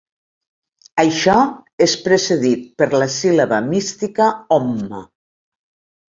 Això és precedit per la síl·laba mística Om.